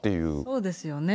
そうですよね。